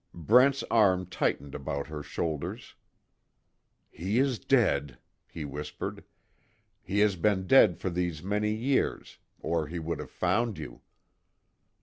Brent's arm tightened about her shoulders, "He is dead," he whispered, "He has been dead these many years, or he would have found you."